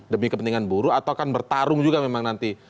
demi kepentingan buruh atau akan bertarung juga memang nanti